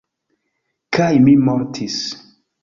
Kaj mi mortis.